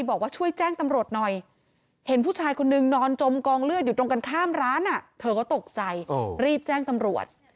บอกว่าตอนที่เธอนั่งอยู่ในร้าน